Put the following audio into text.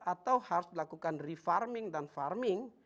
atau harus dilakukan refarming dan farming